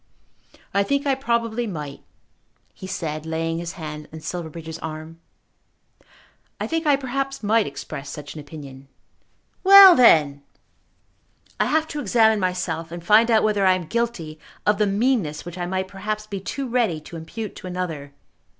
"I think I probably might," he said, laying his hand on Silverbridge's arm. "I think I perhaps might express such an opinion." "Well then!" "I have to examine myself, and find out whether I am guilty of the meanness which I might perhaps be too ready to impute to another.